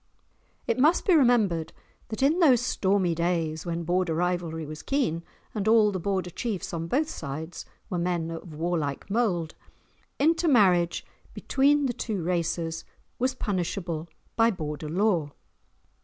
It must be remembered that in those stormy days, when Border rivalry was keen, and all the Border chiefs, on both sides, were men of war like mould, intermarriage between the two races was punishable by Border law.